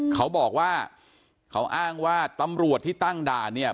เขาบอกว่าเขาอ้างว่าตำรวจที่ตั้งด่านเนี่ย